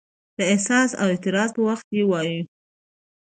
د احساس او اعتراض په وخت یې وایو.